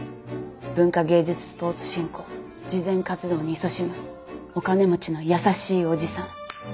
文化芸術スポーツ振興慈善活動にいそしむお金持ちの優しいおじさん。